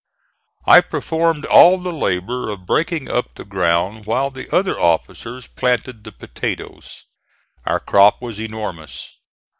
I performed all the labor of breaking up the ground while the other officers planted the potatoes. Our crop was enormous.